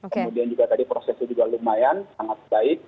kemudian juga tadi proses itu juga lumayan sangat baik